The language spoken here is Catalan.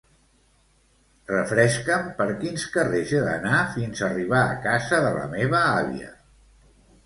Refresca'm per quins carrers he d'anar fins arribar a casa de la meva àvia.